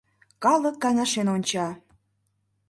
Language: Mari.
Калык каҥашен онча.